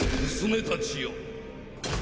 娘たちよ！